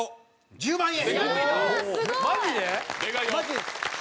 １０万円。